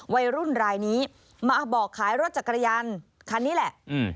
วัยรุ่นรายนี้มาบอกขายรถจักรยานคันนี้แหละ